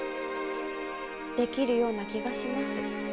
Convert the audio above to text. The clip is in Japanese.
できるような気がします。